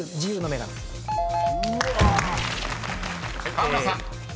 ［河村さん］